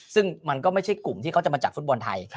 ซึ่งมันก็ไม่ใช่กลุ่มที่เขาจะมาจับฟุตบอลไทย